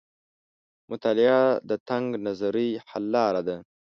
مطالعه د تنګ نظرۍ حل لار ده.